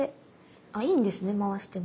あいいんですね回しても。